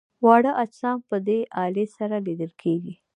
واړه اجسام په دې الې سره لیدل کیږي.